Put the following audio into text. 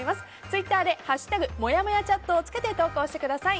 ツイッターで「＃もやもやチャット」をつけて投稿してください。